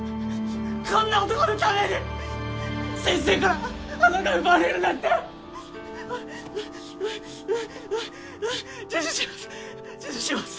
こんな男のために先生から花が奪われるなんてうっうっ自首します。